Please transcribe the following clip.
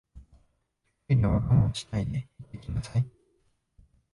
トイレは我慢しないで行ってきなさい